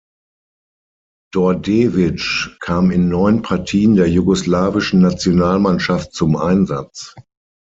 Đorđević kam in neun Partien der jugoslawischen Nationalmannschaft zum Einsatz.